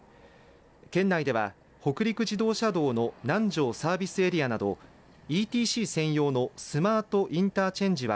県内では北陸自動車道の南条サービスエリアなどＥＴＣ専用のスマートインターチェンジは